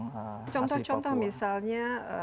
asli papua contoh contoh misalnya